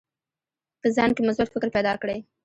په ځان کې مثبت فکر پیدا کړئ.